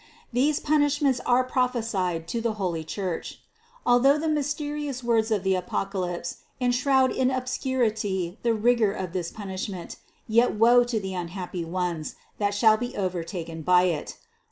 These punishments are proph esied to the holy Church. Although the mysterious words of the Apocalypse enshroud in obscurity the rigor of this punishment, yet woe to the unhappy ones, that shall be overtaken by it